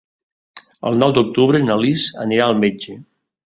El nou d'octubre na Lis anirà al metge.